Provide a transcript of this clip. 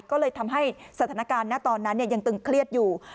ก็เลยทำให้สถานการณ์ณตอนนั้นยังตึงเครียดอยู่